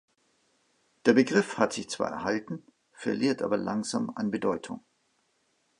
Der Begriff hat sich zwar erhalten, verliert aber langsam an Bedeutung.